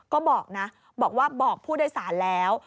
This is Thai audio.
ก็บอกนะบอกว่าบอกผู้โดยสารแล้ว